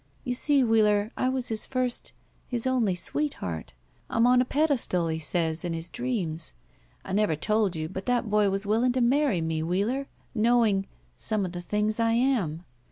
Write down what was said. You see, Wheeler, I was his first — his only sweetheart. I'm on a pedestal, he says, in his dreams. I never told you — ^but that boy was willing to marry me, Wheeler, knowing — some — of the things I am.